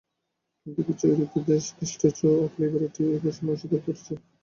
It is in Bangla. কিন্তু কিছু ইউরোপীয় দেশ স্ট্যাচু অব লিবার্টির এই ঘোষণা অস্বীকার করছে।